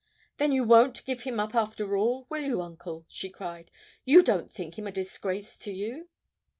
'Then you won't give him up after all, will you, Uncle?' she cried; 'you don't think him a disgrace to you!'